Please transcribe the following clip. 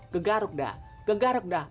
ngegaruk dah ngegaruk dah